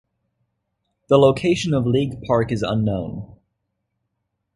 The location of League Park is unknown.